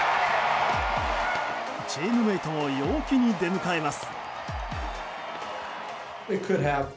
チームメートも陽気に出迎えます。